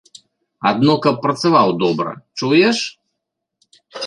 Адно каб працаваў добра, чуеш?